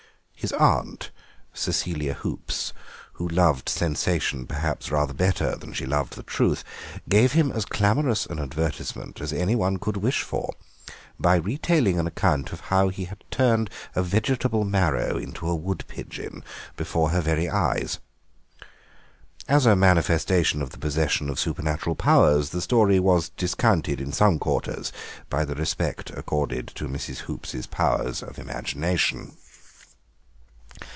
His aunt, Cecilia Hoops, who loved sensation perhaps rather better than she loved the truth, gave him as clamorous an advertisement as anyone could wish for by retailing an account of how he had turned a vegetable marrow into a wood pigeon before her very eyes. As a manifestation of the possession of supernatural powers, the story was discounted in some quarters by the respect accorded to Mrs. Hoops' powers of imagination.